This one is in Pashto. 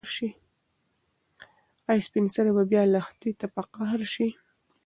ایا سپین سرې به بیا لښتې ته په قهر شي؟